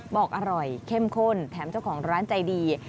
บอกอร่อยเข้มข้นแถมเจ้าของร้านใจดี